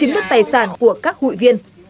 chín bức tài sản của các hụi viên